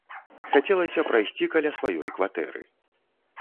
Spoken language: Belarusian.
Хацелася прайсці каля сваёй кватэры.